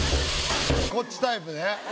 こっちタイプね。